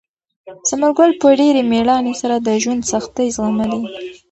ثمر ګل په ډېرې مېړانې سره د ژوند سختۍ زغملې.